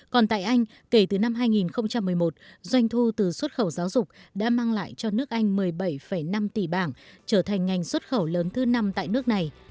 còn tại anh kể từ năm hai nghìn một mươi một doanh thu từ xuất khẩu giáo dục đã mang lại cho nước anh một mươi bảy năm tỷ bảng trở thành ngành xuất khẩu lớn thứ năm tại nước này